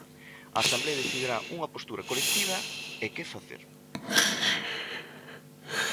A asemblea decidirá unha postura colectiva e que facer.